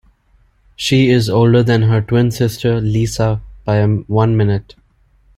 She is older than her twin sister, Lisa, by one minute.